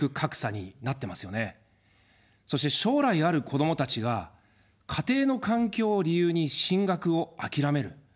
そして将来ある子どもたちが、家庭の環境を理由に進学を諦める。